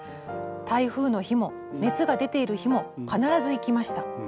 台風の日も熱が出ている日も必ず行きました。